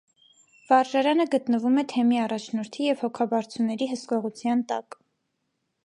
Վարժարանը գտնվում է թեմի առաջնորդի և հոգաբարձուների հսկողության տակ։